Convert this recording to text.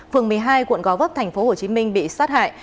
phường một mươi hai quận gò vấp tp hcm bị sát hại